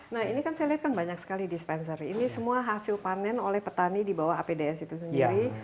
nah ini kan saya lihat kan banyak sekali dispenser ini semua hasil panen oleh petani di bawah apds itu sendiri